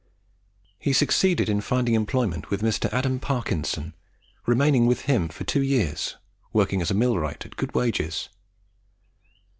He succeeded in finding employment with Mr. Adam Parkinson, remaining with him for two years, working as a millwright, at good wages.